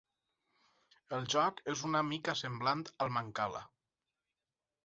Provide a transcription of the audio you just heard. El joc és una mica semblant al mancala.